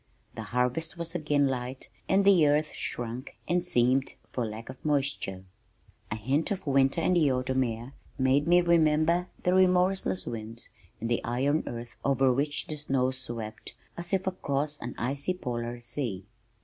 The harvest was again light and the earth shrunk and seamed for lack of moisture. A hint of winter in the autumn air made me remember the remorseless winds and the iron earth over which the snows swept as if across an icy polar sea.